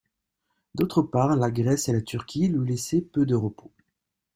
D'autre part la Grèce et la Turquie lui laissaient peu de repos.